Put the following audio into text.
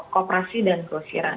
koperasi dan keusiran